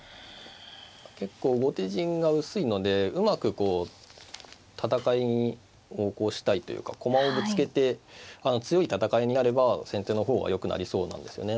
結構後手陣が薄いのでうまく戦いを起こしたいというか駒をぶつけて強い戦いになれば先手の方がよくなりそうなんですよね。